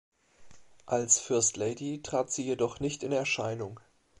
Als „First Lady“ trat sie jedoch nicht in Erscheinung.